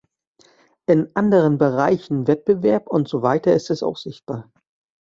In anderen Bereichen Wettbewerb und so weiter ist es auch sichtbar.